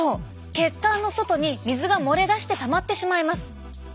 血管の外に水が漏れ出してたまってしまいます。